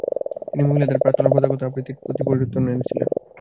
তিনি মহিলাদের প্রার্থনার প্রথাগত আবৃত্তির ধরনের পরিবর্তন এনেছিলেন।